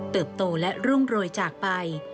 เติบตัวและร่วงโดยจากไป